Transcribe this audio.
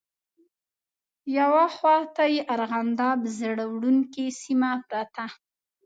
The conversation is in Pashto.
یوه خواته یې ارغنداب زړه وړونکې سیمه پرته.